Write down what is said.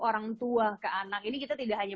orang tua ke anak ini kita tidak hanya